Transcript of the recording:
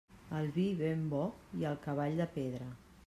El vi ben bo i el cavall de pedra.